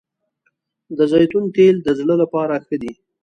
د زیتون تېل د زړه لپاره ښه دي